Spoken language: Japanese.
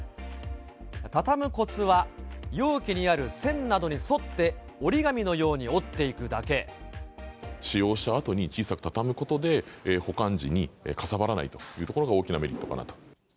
畳むこつは容器にある線などに沿って折り紙のように折っていくだ使用したあとに小さく畳むことで、保管時にかさばらないというところが大きなメリットかなと。